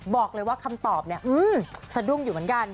บอกเลยว่าคำตอบเนี่ยสะดุ้งอยู่เหมือนกัน